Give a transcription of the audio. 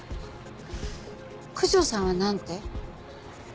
九条さんはなんて？